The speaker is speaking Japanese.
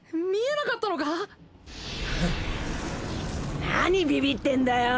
なにビビってんだよ。